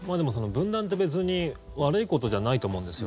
分断って別に悪いことじゃないと思うんです。